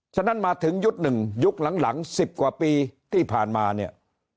ฉะนั้นมาถึงยุค๑ยุคหลัง๑๐กว่าปีที่ผ่านมาเนี่ย